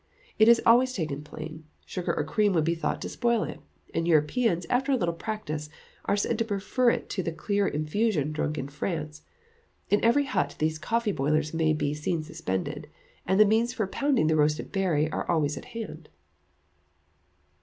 It is always taken plain; sugar or cream would be thought to spoil it; and Europeans, after a little practice, are said to prefer it to the clear infusion drunk in France. In every hut these coffee boilers may be seen suspended, and the means for pounding the roasted berry are always at hand.